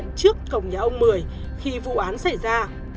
trước cổng nhà ông mười khi vụ án xảy ra